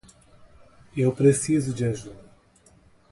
Eu preciso de ajuda.